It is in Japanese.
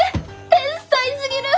天才すぎる！